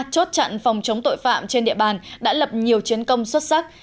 chốt chặn phòng chống tội phạm trên địa bàn đã lập nhiều chiến công xuất sắc